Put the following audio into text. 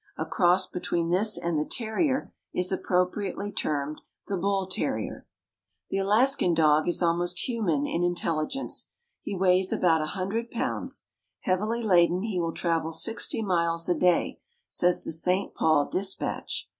A cross between this and the terrier is appropriately termed the bull terrier. The Alaskan dog is almost human in intelligence. He weighs about 100 pounds. Heavily laden, he will travel sixty miles a day, says the St. Paul Dispatch.